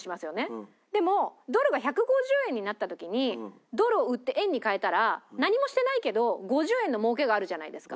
でもドルが１５０円になった時にドルを売って円に替えたら何もしてないけど５０円の儲けがあるじゃないですか。